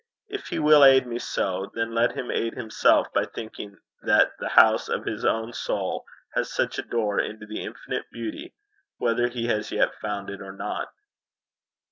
If he will aid me so, then let him aid himself by thinking that the house of his own soul has such a door into the infinite beauty, whether he has yet found it or not.